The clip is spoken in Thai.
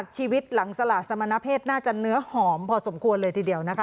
ชีวิตหลังสละสมณเพศน่าจะเนื้อหอมพอสมควรเลยทีเดียวนะคะ